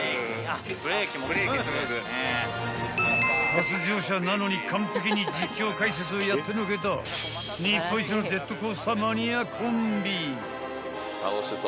［初乗車なのに完璧に実況解説をやってのけた日本一のジェットコースターマニアコンビ］